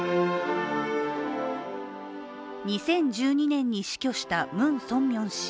２０１２年に死去したムン・ソンミョン氏。